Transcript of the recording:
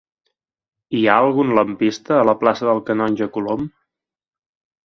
Hi ha algun lampista a la plaça del Canonge Colom?